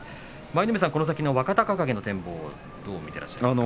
舞の海さん、この先の若隆景の展望、どう見てらっしゃいますか。